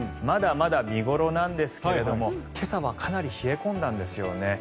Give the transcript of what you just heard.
まだまだ見頃なんですけれども今朝はかなり冷え込んだんですよね。